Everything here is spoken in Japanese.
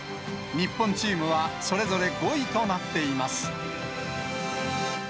日本チームはそれぞれ５位となっています。